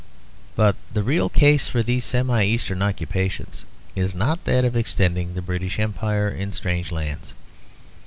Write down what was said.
But the real case for these semi eastern occupations is not that of extending the British Empire in strange lands.